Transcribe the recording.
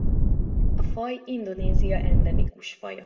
A faj Indonézia endemikus faja.